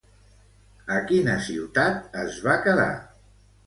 A quina ciutat es va quedar?